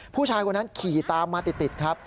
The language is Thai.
ผู้ชายคนนั้นขี่ตามมาติดครับ